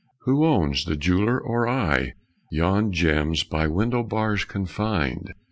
Who owns, the jeweler or I, Yon gems by window bars confined?